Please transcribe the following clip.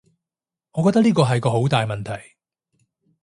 我覺得呢個係個好大問題